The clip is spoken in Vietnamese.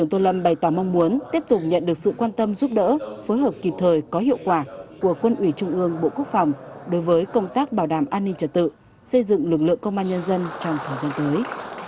tô lâm bày tỏ mong muốn tiếp tục nhận được sự quan tâm giúp đỡ phối hợp kịp thời có hiệu quả của quân ủy trung ương bộ quốc phòng đối với công tác bảo đảm an ninh trật tự xây dựng lực lượng công an nhân dân trong thời gian tới